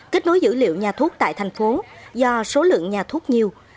kết nối dữ liệu nhà thuốc tại tp hcm do số lượng nhà thuốc nhiều